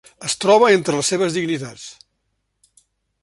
Es troba entre les seves dignitats.